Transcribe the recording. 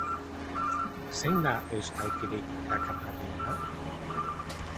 Zein da euskalkirik erakargarriena?